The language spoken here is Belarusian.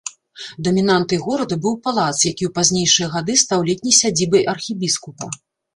Дамінантай горада быў палац, які ў пазнейшыя гады стаў летняй сядзібай архібіскупа.